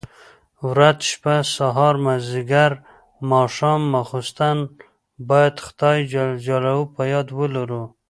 ورځ، شپه، سهار، ماځيګر، ماښام او ماخستن بايد خداى جل جلاله په ياد ولرو.